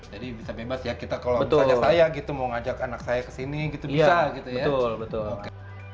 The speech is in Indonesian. jadi bisa bebas ya betul kalau misalnya saya mau ngajak anak saya ke sini bisa gitu ya iya betul